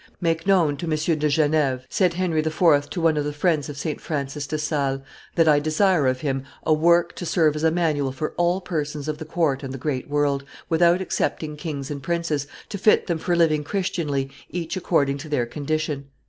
"Make known to Monsieur de Geneve," said Henry IV. to one of the friends of St. Francis de Sales, "that I desire of him a work to serve as a manual for all persons of the court and the great world, without excepting kings and princes, to fit them for living Christianly each according to their condition.